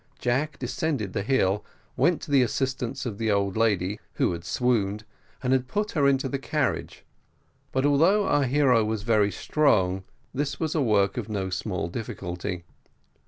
Jack descended the hill, went to the assistance of the old lady, who had swooned, and had to put her into the carriage; but although our hero was very strong, this was a work of no small difficulty.